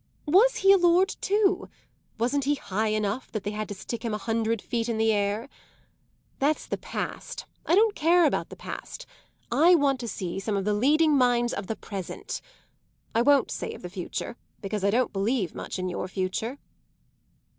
Was he a lord too? Wasn't he high enough, that they had to stick him a hundred feet in the air? That's the past I don't care about the past; I want to see some of the leading minds of the present. I won't say of the future, because I don't believe much in your future."